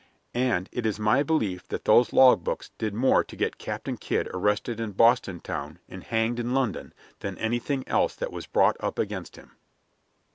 And it is my belief that those log books did more to get Captain Kidd arrested in Boston town and hanged in London than anything else that was brought up against him.